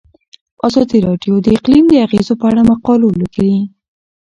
ازادي راډیو د اقلیم د اغیزو په اړه مقالو لیکلي.